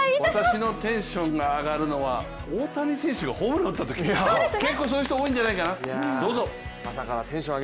私のテンションが上がるのは大谷選手がホームラン打ったとき、結構そういう人、多いんじゃないかな、どうぞ。